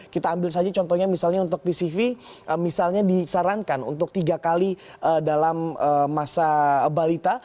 kita ambil saja contohnya misalnya untuk pcv misalnya disarankan untuk tiga kali dalam masa balita